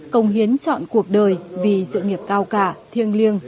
công hiến chọn cuộc đời vì sự nghiệp cao cả thiêng liêng